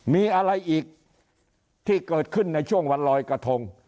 มีอะไรอีกที่เกิดขึ้นในช่วงวันลอยกระทง